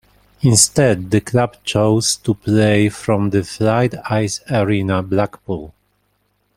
Instead, the club chose to play from the Fylde Ice Arena, Blackpool.